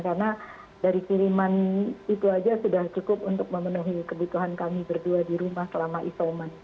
karena dari kiriman itu saja sudah cukup untuk memenuhi kebutuhan kami berdua di rumah selama isoman